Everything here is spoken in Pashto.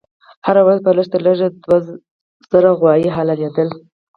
هر ورځ به لږ تر لږه دوه زره غوایي حلالېدل.